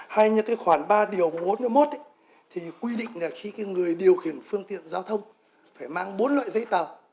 hay như cái khoảng ba điều bốn mươi một thì quy định là khi người điều khiển phương tiện giao thông phải mang bốn loại giấy tờ